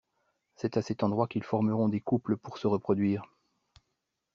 C'est à cet endroit qu'ils formeront des couples pour se reproduire.